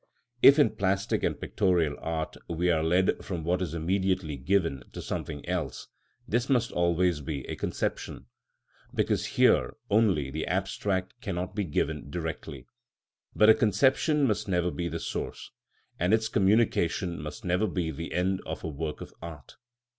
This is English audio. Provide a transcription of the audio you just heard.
If in plastic and pictorial art we are led from what is immediately given to something else, this must always be a conception, because here only the abstract cannot be given directly; but a conception must never be the source, and its communication must never be the end of a work of art.